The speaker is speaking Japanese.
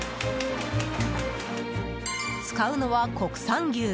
使うのは国産牛。